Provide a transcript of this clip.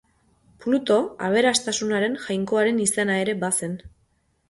Pluto, aberastasunaren jainkoaren izena ere bazen.